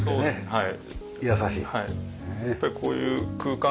はい。